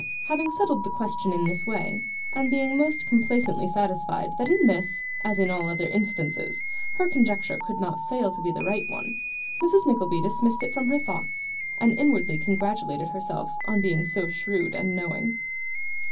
Having settled the question in this way, and being most complacently satisfied that in this, and in all other instances, her conjecture could not fail to be the right one, Mrs. Nickleby dismissed it from her thoughts, and inwardly congratulated herself on being so shrewd and knowing.